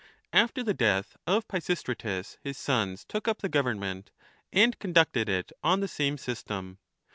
After the death of Pisistratus his sons took up the govern ment, and conducted it on the same system.